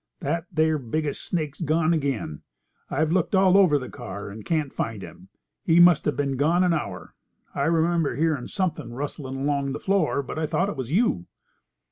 That there biggest snake's gone again. I've looked all over the car and can't find him. He must have been gone an hour. I remember hearin' somethin' rustlin' along the floor, but I thought it was you."